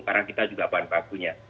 karena kita juga bahan bakunya